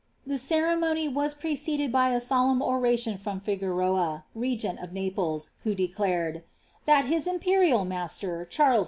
The ceremony was preceded by a solemn oraiion from Flgueroe, regent Naples, who declare<l —" that his imperial master, Charles V.